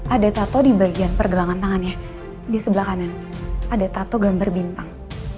ada tato di bagian pergelangan tangannya di sebelah kanan ada tato gambar bintang